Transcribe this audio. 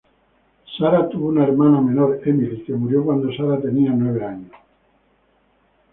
Sara tuvo una hermana menor, Emily, que murió cuando Sara tenía nueve años.